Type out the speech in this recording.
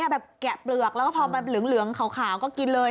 แบบแกะเปลือกแล้วก็พอแบบเหลืองขาวก็กินเลย